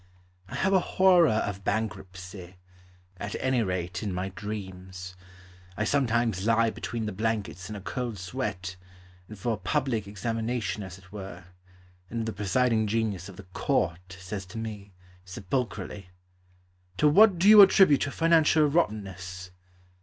I have a horror of bankruptcy, At any rate in my dreams. I sometimes lie Between the blankets In a cold sweat And for public examination as it were, And the presiding genius of the court Says to me, sepulchrally, "To what do you attribute your financial rottenness?"